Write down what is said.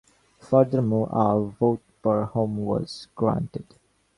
Furthermore, a vote per home was granted.